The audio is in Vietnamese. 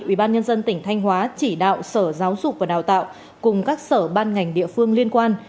ủy ban nhân dân tỉnh thanh hóa chỉ đạo sở giáo dục và đào tạo cùng các sở ban ngành địa phương liên quan